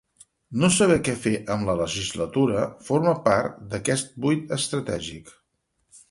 No saber què fer amb la legislatura forma part d’aquest buit estratègic.